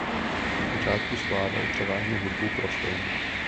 Zpočátku skládal převážně hudbu pro film.